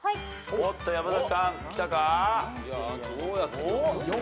おっと山崎さんきたか？